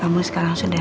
semakin selamat ya dell